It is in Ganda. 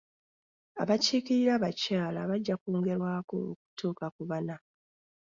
Abakiikirira abakyala bajja kwongerwako okutuuka ku bana.